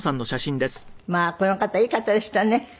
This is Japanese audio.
まあこの方いい方でしたね。